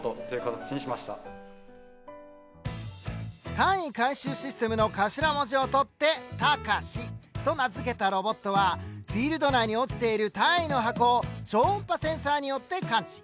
単位回収システムの頭文字を取って「タカシ」と名付けたロボットはフィールド内に落ちている単位の箱を超音波センサーによって感知。